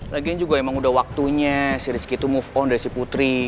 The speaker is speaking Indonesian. lagian juga emang udah waktunya si rizky itu move on dari si putri